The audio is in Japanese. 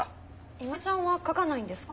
今井さんは書かないんですか？